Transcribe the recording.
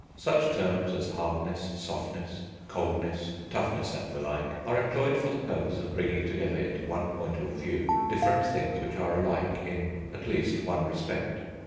Such terms as hardness, softness, coldness, toughness, and the like, are employed for the purpose of bringing together into one point of view different things which are alike in, at least, one respect.